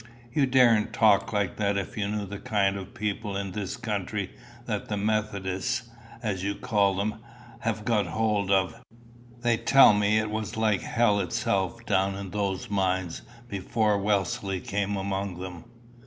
"You daren't talk like that if you knew the kind of people in this country that the Methodists, as you call them, have got a hold of. They tell me it was like hell itself down in those mines before Wesley come among them."